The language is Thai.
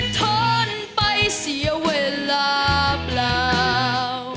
คนแคแล้วทำไม